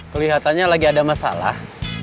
kelihatannya lagi ada masalah